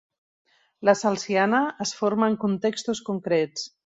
La celsiana es forma en contextos concrets.